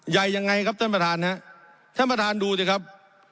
ใหญ่ยังไงครับท่านประธานฮะท่านประธานดูสิครับ